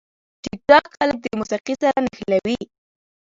ټیکټاک خلک د موسیقي سره نښلوي.